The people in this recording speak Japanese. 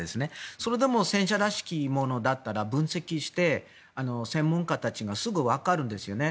それでも戦車らしきものだったら分析して専門家たちがすぐわかるんですよね。